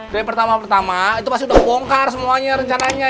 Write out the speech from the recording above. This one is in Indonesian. dari pertama pertama itu pasti udah bongkar semuanya rencananya